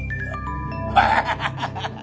ハハハハハ！